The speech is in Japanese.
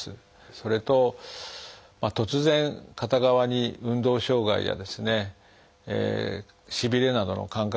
それと突然片側に運動障害やしびれなどの感覚